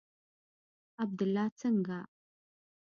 عبدالله څنگه.